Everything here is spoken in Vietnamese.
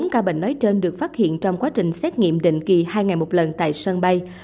bốn ca bệnh nói trên được phát hiện trong quá trình xét nghiệm định kỳ hai ngày một lần tại sân bay